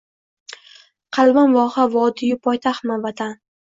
Qadim voha, vodiy-u poytaxtmi Vatan?